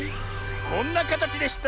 こんなかたちでした。